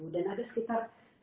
dan ada sekitar